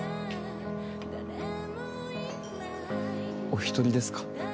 お一人ですか？